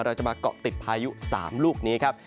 เราจะมาเกาะติดพายุ๓ลูกนี้ครับ